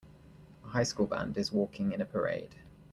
A high school band is walking in a parade.